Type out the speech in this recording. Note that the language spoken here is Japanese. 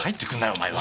お前は！